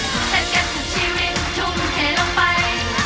เซ็นกันถึงชีวิตทุ่มเข็นลงไป